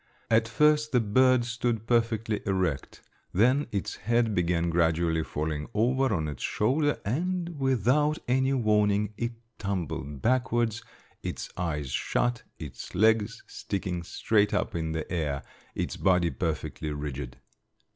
At first the bird stood perfectly erect; then its head began gradually falling over on its shoulder, and, without any warning, it tumbled backwards, its eyes shut, its legs sticking straight up in the air, its body perfectly rigid.